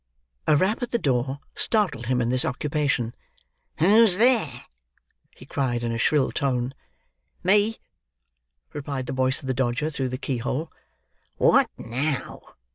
A rap at the door startled him in this occupation. "Who's there?" he cried in a shrill tone. "Me!" replied the voice of the Dodger, through the key hole. "What now?"